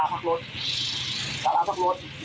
มันก็ชัดมีดตั้งมาตั้งมาแทง